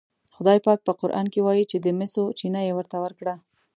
خدای پاک په قرآن کې وایي چې د مسو چینه یې ورته ورکړه.